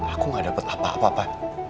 aku gak dapet apa apa apa